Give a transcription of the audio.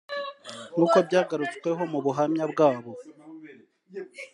nk’uko byagrutsweho mu buhamya bwabo